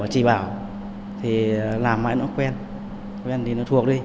chị bảo thì làm mãi nó quen quen thì nó thuộc đi